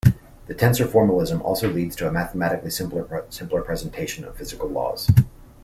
The tensor formalism also leads to a mathematically simpler presentation of physical laws.